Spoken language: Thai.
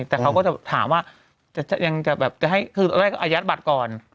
แต่เขาก็จะถามว่าตอนแรกอายัดบัตรก่อน